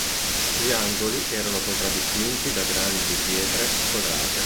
Gli angoli erano contraddistinti da grandi pietre squadrate.